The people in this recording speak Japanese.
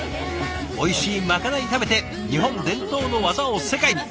おいしいまかない食べて日本伝統の技を世界に。